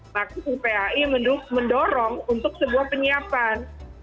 maka kpai mendorong untuk sebuah penyiapan